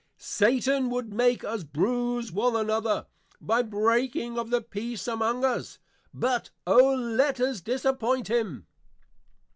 Satan would make us bruise one another, by breaking of the Peace among us; but O let us disappoint him.